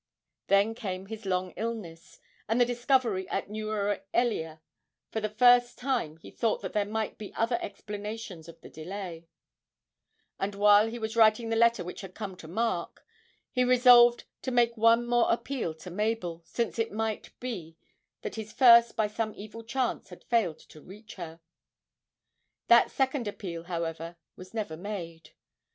Then came his long illness, and the discovery at Newera Ellia; for the first time he thought that there might be other explanations of the delay, and while he was writing the letter which had come to Mark, he resolved to make one more appeal to Mabel, since it might be that his first by some evil chance had failed to reach her. That second appeal, however, was never made.